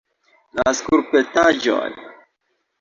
La skulptaĵoj!